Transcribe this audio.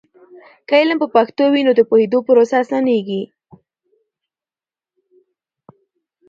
که علم په پښتو وي، نو د پوهیدلو پروسه اسانېږي.